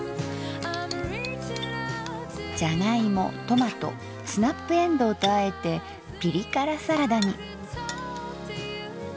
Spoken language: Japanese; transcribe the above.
じゃがいもトマトスナップエンドウとあえてピリ辛サラダに。